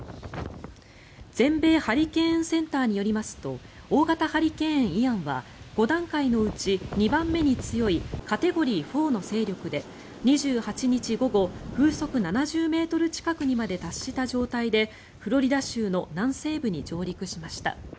全米ハリケーンセンターによりますと大型ハリケーン、イアンは５段階のうち２番目に強いカテゴリー４の勢力で２８日午後風速７０ｍ近くにまで達した状態でフロリダ州の南西部に上陸しました。